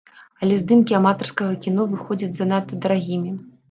Але здымкі аматарскага кіно выходзяць занадта дарагімі.